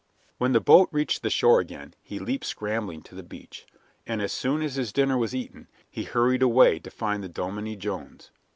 When the boat reached the shore again he leaped scrambling to the beach, and as soon as his dinner was eaten he hurried away to find the Dominie Jones.